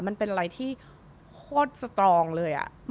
มันเป็นอะไรที่โคตรสตรองเลย